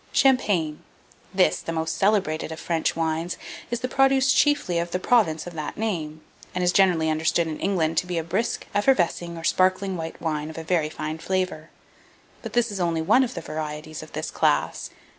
CHAMPAGNE. This, the most celebrated of French wines, is the produce chiefly of the province of that name, and is generally understood in England to be a brisk, effervescing, or sparkling white wine, of a very fine flavour; but this is only one of the varieties of this class.